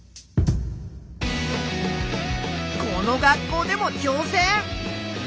この学校でもちょう戦！